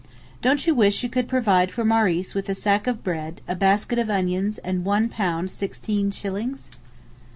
Don't you wish you could provide for Maurice with a sack of bread, a basket of onions and one pound sixteen shillings?